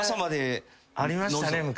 ありましたね昔。